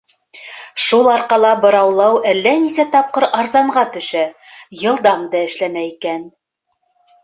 Шул арҡала быраулау әллә нисә тапҡырға арзанға төшә, йылдам да эшләнә икән.